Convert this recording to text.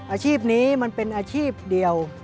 อาชีพนี้มันเป็นอาชีพเดียว